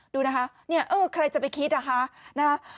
ดูนะครับใครจะไปคิดนะครับ